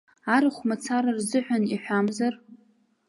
Арахә мацара рзыҳәан иҳәамзар?